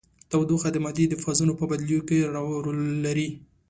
تودوخه د مادې د فازونو په بدلیدو کې رول لري.